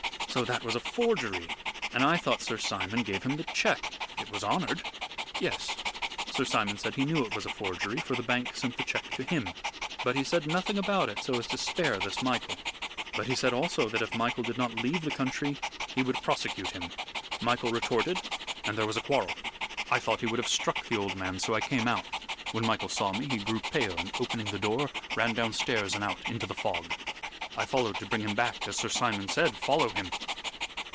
"So that was a forgery, and I thought Sir Simon gave him the check. It was honored." "Yes. Sir Simon said he knew it was a forgery, for the bank sent the check to him. But he said nothing about it so as to spare this Michael. But he said also that if Michael did not leave the country he would prosecute him. Michael retorted and there was a quarrel. I thought he would have struck the old man, so I came out. When Michael saw me he grew pale and, opening the door, ran downstairs and out into the fog. I followed to bring him back, as Sir Simon said, 'Follow him.'"